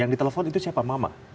yang ditelepon itu siapa mama